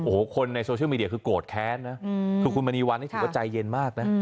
โอ้โหคนในโซเชียลมีเดียคือโกรธแค้นนะคือคุณมณีวันนี่ถือว่าใจเย็นมากนะ